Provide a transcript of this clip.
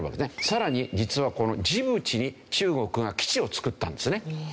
さらに実はこのジブチに中国が基地を造ったんですね。